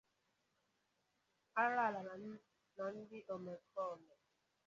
arụrụala na ndị omekoome